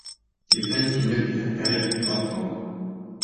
Тиҙҙән тимер киҫәктәре бик аҙ ҡала.